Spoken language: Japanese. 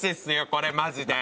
これマジで」